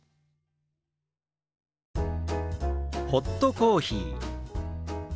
「ホットコーヒー」。